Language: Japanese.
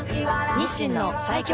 日清の最強